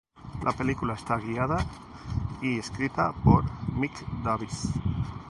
La película está guiada y escrita por Mick Davis.